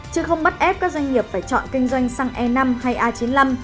chứ không bắt ép các doanh nghiệp phải chọn kinh doanh xăng e năm hay a chín mươi năm